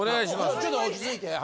ちょっと落ち着いて話。